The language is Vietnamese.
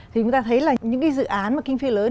thì chúng ta thấy là những cái dự án mà kinh phi lớn